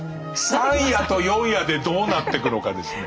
３夜と４夜でどうなってくのかですね。